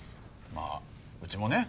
まあうちもね